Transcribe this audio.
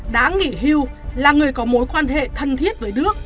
đã nghỉ hưu là người có mối quan hệ thân thiết với đức